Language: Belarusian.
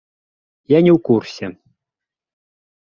Я не ў курсе.